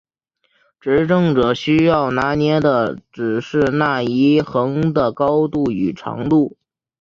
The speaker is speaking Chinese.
执政者需要拿捏的只是那一横的高度与长度。